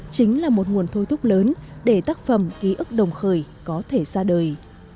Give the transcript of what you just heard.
chính là một nguồn thôi thúc lớn để tác phẩm ký ức đồng khởi có thể ra đời